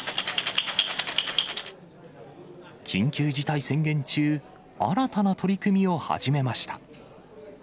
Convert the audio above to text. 緊急事態宣言中、新たな取り組みを始めました。